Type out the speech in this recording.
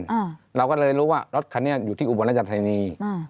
อ่าเราก็เลยรู้ว่ารถคันนี้อยู่ที่อุบลราชธานีอ่า